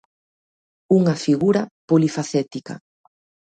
Unha figura polifacética.